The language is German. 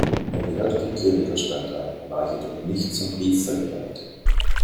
Er gehörte dem Klerikerstand an, war jedoch nicht zum Priester geweiht.